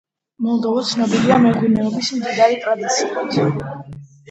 მოლდოვა ცნობილია მეღვინეობის მდიდარი ტრადიციებით.